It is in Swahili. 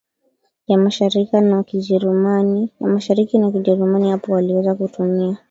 ya Mashariki ya Kijerumani Hapo waliweza kutumia